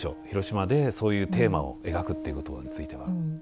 広島でそういうテーマを描くっていうことについては。